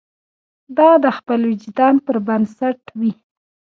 دا د خپل وجدان پر بنسټ وي.